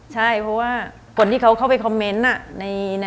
ใช่เพราะว่าคนที่เขาเข้าไปคอมเมนต์